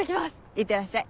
いってらっしゃい。